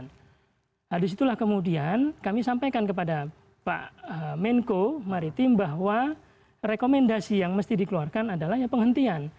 nah disitulah kemudian kami sampaikan kepada pak menko maritim bahwa rekomendasi yang mesti dikeluarkan adalah ya penghentian